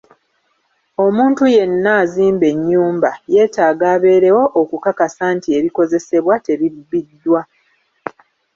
Omuntu yenna azimba ennyumba yetaaga abeerewo okukakasa nti ebikozesebwa tebibiddwa.